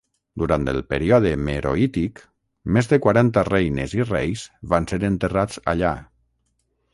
Durant el període meroític, més de quaranta reines i reis van ser enterrats allà.